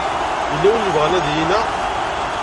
Yella win i yebɣan ad yi-ineɣ.